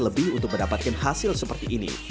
lebih untuk mendapatkan hasil seperti ini